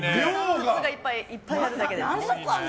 靴がいっぱいあるだけです。